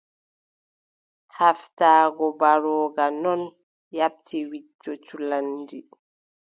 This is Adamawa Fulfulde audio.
Haaftaago mbarooga non yaaɓti wicco culanndi.